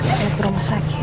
kita ke rumah sakit